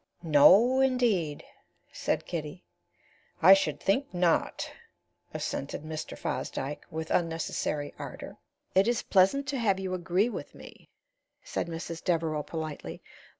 "No, indeed," said Kitty. "I should think not," assented Mr. Fosdyke, with unnecessary ardor. "It is pleasant to have you agree with me," said Mrs. Devereaux, politely.